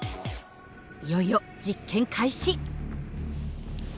いよいよ実験開始！